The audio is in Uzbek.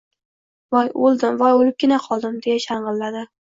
— Voy o‘ldim, voy o‘libgina qoldim, — deya shang‘illadi.